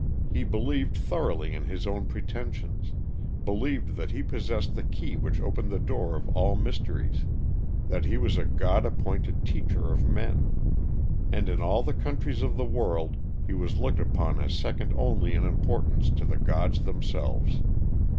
He believed thoroughly in his own pretensions; believed that he possessed the key which opened the door of all mysteries; that he was a god appointed teacher of men; and in all the countries of the world he was looked upon as second only in importance to the gods themselves.